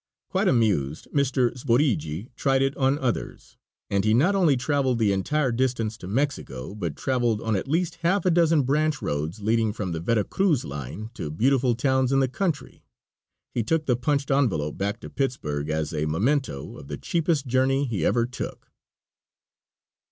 Quite amused, Mr. Sborigi tried it on others, and he not only traveled the entire distance to Mexico, but traveled on at least half a dozen branch roads leading from the Vera Cruz line to beautiful towns in the country. He took the punched envelope back to Pittsburg as a memento of the cheapest journey he ever took.